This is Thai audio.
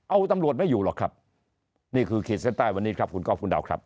เอาตำรวจไม่อยู่หรอกครับนี่คือขีดเส้นใต้วันนี้ครับคุณก้อฟคุณดาวครับ